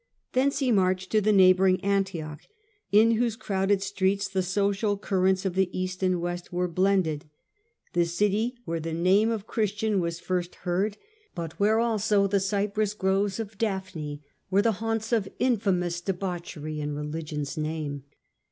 jan. a.d. Thence he marched to the neighbouring An tioch, in whose crowded streets the social currents of the East and West were blended, the city where the name of 42 T!ie Age of the A ntonines, a. d. Christian was first heard, but where also the cypress groves of Daphne were the haunts of infamous debauchery in religion^s name.